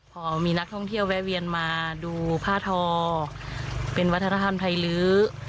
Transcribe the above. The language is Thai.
พอมีนักท่องเที่ยวแวะเวียนมาดูผ้าทอเป็นวัฒนธรรมไทยลื้อ